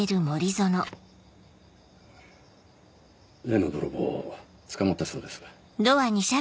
例の泥棒捕まったそうです。